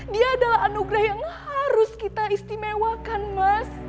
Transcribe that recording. dia adalah anugerah yang harus kita istimewakan mas